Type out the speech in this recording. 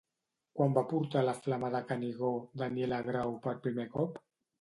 Quan va portar la Flama de Canigó Daniela Grau per primer cop?